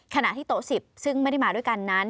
ขณะที่โต๊ะ๑๐ซึ่งไม่ได้มาด้วยกันนั้น